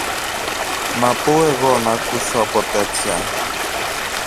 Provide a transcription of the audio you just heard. Μα πού εγώ ν' ακούσω από τέτοια!